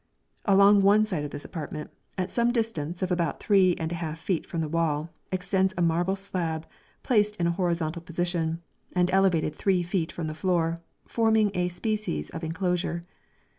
Along one side of this apartment, at the distance of about three and a half feet from the wall, extends a marble slab, placed in a horizontal position, and elevated three feet from the floor, forming a species of enclosure.